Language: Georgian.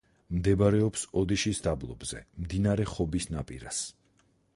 მდებარეობს ოდიშის დაბლობზე, მდინარე ხობის ნაპირას.